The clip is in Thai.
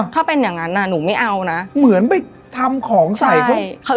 ถ้าเป็นอย่างนั้นน่ะหนูไม่เอานะเหมือนไปทำของใส่เขา